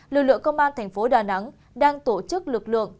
lực lượng công an thành phố đà nẵng đang tổ chức lực lượng